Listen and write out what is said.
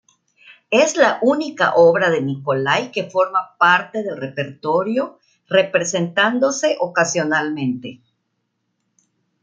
Es la única obra de Nicolai que forma parte del repertorio, representándose ocasionalmente.